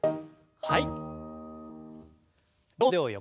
はい。